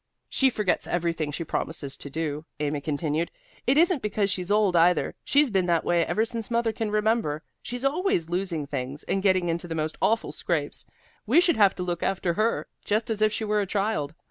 "She forgets everything she promises to do," Amy continued. "It isn't because she's old, either. She's been that way ever since mother can remember. She's always losing things, and getting into the most awful scrapes. We should have to look after her, just as if she were a child.